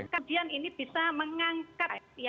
kemudian ini bisa mengangkat